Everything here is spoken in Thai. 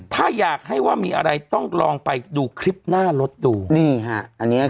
ถ้าอยากให้ว่ามีอะไรต้องลองไปดูคลิปหน้ารถดูนี่ฮะอันเนี้ย